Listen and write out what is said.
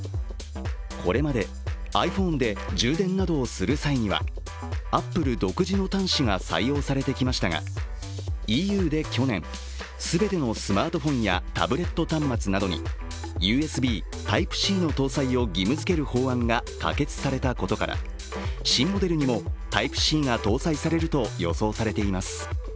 これまでｉＰｈｏｎｅで充電などをする際にはアップル独自の端子が採用されてきましたがＥＵで去年、全てのスマートフォンやタブレット端末などにＵＳＢ・Ｔｙｐｅ−Ｃの搭載を義務づける法案が可決されことから新モデルにもＴｙｐｅ−Ｃが搭載されると予想されています。